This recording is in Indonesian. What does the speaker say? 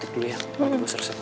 tidak ada yang ke identifikasi tuhan